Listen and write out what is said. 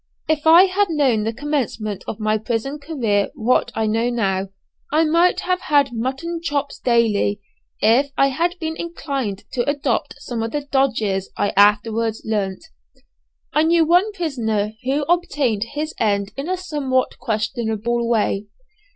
If I had known at the commencement of my prison career what I now know, I might have had mutton chops daily, if I had been inclined to adopt some of the 'dodges' I afterwards learnt. I knew one prisoner who obtained his end in a somewhat questionable way.